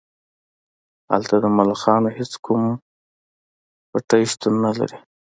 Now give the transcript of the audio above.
هلته د ملخانو هیڅ کوم پټی شتون نلري